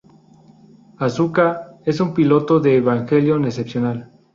Asuka es una piloto de Evangelion excepcional.